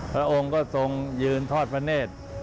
พระองค์ก็ทรงยืนทอดพระเนธ